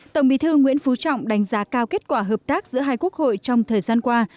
tổng bí thư nguyễn phú trọng đánh giá cao kết quả hợp tác giữa hai quốc hội trong thời gian qua